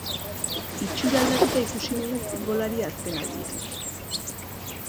Itxura aldatuta ikusi dugu futbolaria azkenaldian.